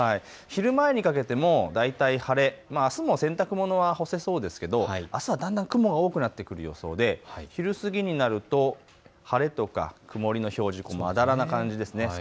昼前にかけても大体晴れ、あすも洗濯物は干せそうですけどだんだん雲が多くなってくる予想で昼過ぎになると晴れとか曇りの表示、まだらな感じですね。